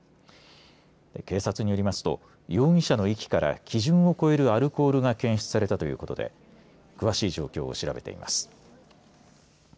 警察によりますと容疑者の息から規準を超えるアルコールが検出されたということで詳しい状況を調べています。